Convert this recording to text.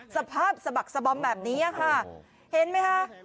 สภาพสบักสบมแบบนี้ค่ะ